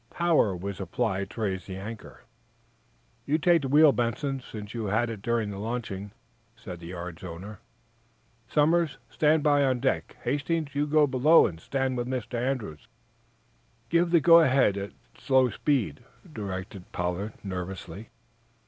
Power was applied to raise the anchor. "You take the wheel, Benson, since you had it during the launching," said the yard's owner. "Somers, stand by on deck. Hastings, you go below and stand with Mr. Andrews." "Give the go ahead at slow speed," directed David Pollard, nervously.